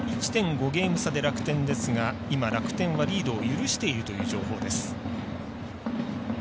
ゲーム差で楽天ですが今、楽天はリードを許しているという情報です。